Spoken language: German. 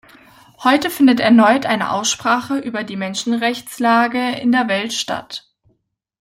Heute findet erneut eine Aussprache über die Menschenrechtslage in der Welt statt.